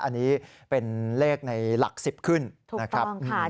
อันนี้เป็นเลขในหลัก๑๐ขึ้นนะครับ